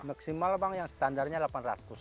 maksimal bang yang standarnya delapan ratus